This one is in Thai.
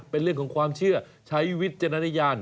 เป็นเรื่องของความเชื่อใช้วิจารณญาณ